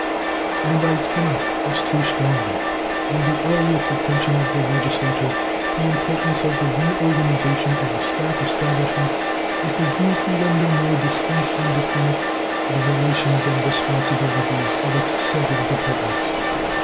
And I can not press too strongly on the earliest attention of the Legislature the importance of the reorganization of the staff establishment with a view to render more distinct and definite the relations and responsibilities of its several departments.